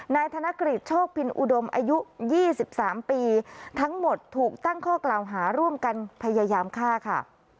นายกธนกฤษโชคพินอุดมอายุ๒๓ปีทั้งหมดถูกตั้งข้อกล่าวหาร่วมกันพยายามฆ่าค่ะ